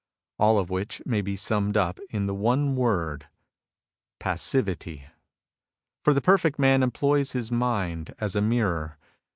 All of which may be summed up in the one word passivity. For the perfect man employs his mind as a mirror.